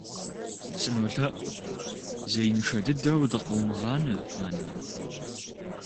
СынолъэӀу, зеиншэ дыдэу дыкъыумыгъанэ, нанэ.